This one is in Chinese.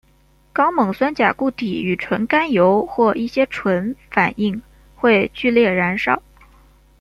高锰酸钾固体与纯甘油或一些醇反应会剧烈燃烧。